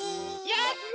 やった！